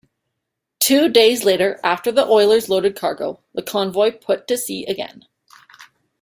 Two days later after the oilers loaded cargo, the convoy put to sea again.